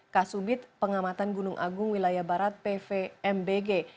kasubit pengamatan gunung agung wilayah barat pvmbg